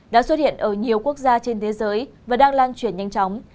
đã xuất hiện ở nhiều quốc gia trên thế giới và đang lan truyền nhanh chóng